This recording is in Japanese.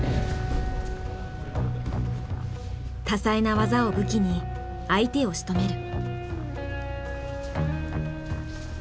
多彩な技を武器に相手をしとめる。